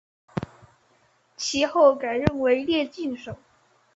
其后改任为摄津守。